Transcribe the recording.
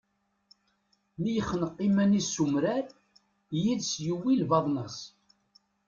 Mi yexneq iman-is s umrar, yid-s yuwi lbaḍna-s.